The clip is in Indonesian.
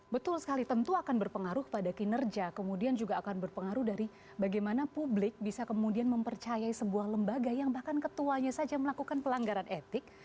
betul sekali tentu akan berpengaruh pada kinerja kemudian juga akan berpengaruh dari bagaimana publik bisa kemudian mempercayai sebuah lembaga yang bahkan ketuanya saja melakukan pelanggaran etik